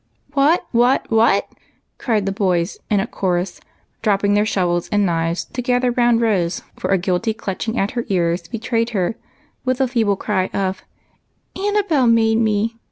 " What ! what ! what !" cried the boys in a chorus, dropping their shovels and knives to gather round Rose, for a guilty clutching at her ears betrayed her, and with a feeble cry of " Annabel made me